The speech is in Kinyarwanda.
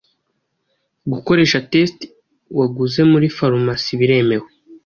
gukoresha test waguze muri farumasi biremewe